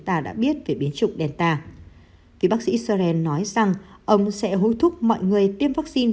ta đã biết về biến chủng delta vì bác sĩ soren nói rằng ông sẽ hối thúc mọi người tiêm vắc xin